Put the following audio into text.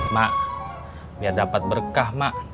mak biar dapat berkah mak